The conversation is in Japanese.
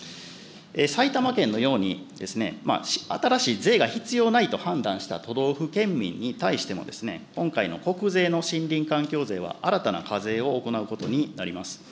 埼玉県のようにですね、新しい税が必要ないと判断した都道府県民に対しても、今回の国税の森林環境税は、新たな課税を行うことになります。